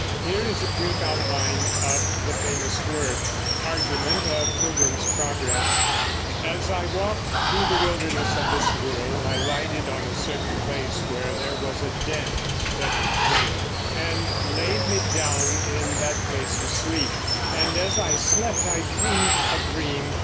Here is a brief outline of the famous work: "As I walked through the wilderness of this world I lighted on a certain place where was a den [Bedford jail] and laid me down in that place to sleep; and, as I slept, I dreamed a dream."